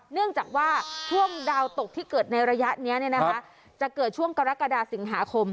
เนื่องจากว่าช่วงดาวตกที่เกิดในระยะนี้จะเกิดช่วงกรกฎาสิงหาคม